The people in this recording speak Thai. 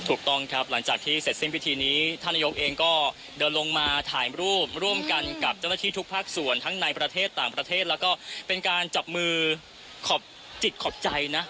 ถูกต้องครับหลังจากที่เสร็จสิ้นพิธีนี้ท่านนายกเองก็เดินลงมาถ่ายรูปร่วมกันกับเจ้าหน้าที่ทุกภาคส่วนทั้งในประเทศต่างประเทศแล้วก็เป็นการจับมือขอบจิตขอบใจนะ